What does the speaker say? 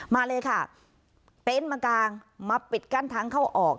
มาเลยค่ะเต็นต์มากางมาปิดกั้นทางเข้าออก